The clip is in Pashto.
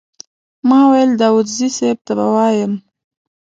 ما ویل داوودزي صیب ته به ووایم.